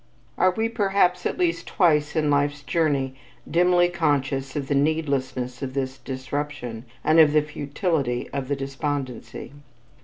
Are we perhaps at least twice in life's journey dimly conscious of the needlessness of this disruption and of the futility of the despondency?